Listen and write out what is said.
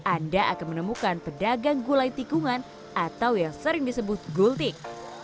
anda akan menemukan pedagang gulai tikungan atau yang sering disebut gultik